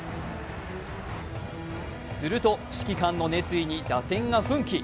すると指揮官の熱意に打線が奮起。